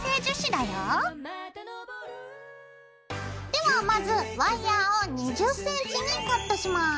ではまずワイヤーを２０ｃｍにカットします。